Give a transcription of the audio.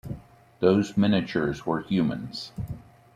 Those miniatures were humans.